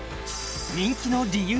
人気の理由